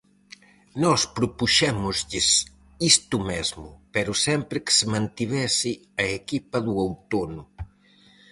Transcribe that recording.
Nós propuxémoslles isto mesmo, pero sempre que se mantivese a equipa do Outono.